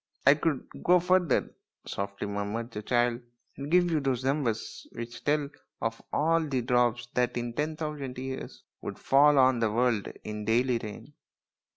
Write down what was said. " I could go further," softly murmured the child, " and give you those numbers which tell of all the drops that in ten thousand years would fall on all the world in daily rain."